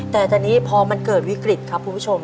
แต่ตอนนี้พอมันเกิดวิกฤตครับคุณผู้ชม